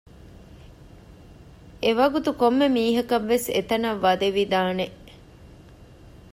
އެވަގުތު ކޮންމެ މީހަކަށްވެސް އެތަނަށް ވަދެވިދާނެ